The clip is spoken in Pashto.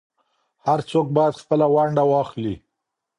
هر څوک بايد خپله ونډه واخلي.